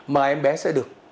mà em bé sẽ được